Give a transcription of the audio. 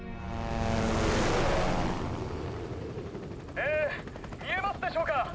え見えますでしょうか？